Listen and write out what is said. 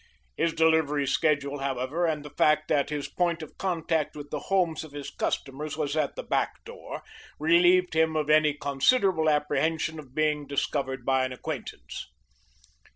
His delivery schedule, however, and the fact that his point of contact with the homes of his customers was at the back door relieved him of any considerable apprehension of being discovered by an acquaintance.